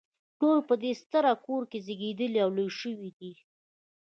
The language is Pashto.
ټول په دې ستر کور کې زیږیدلي او لوی شوي دي.